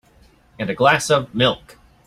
And a glass of milk.